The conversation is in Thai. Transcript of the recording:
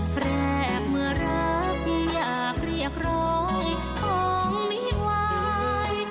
แรกเมื่อรักอยากเรียกร้องของไม่ไหว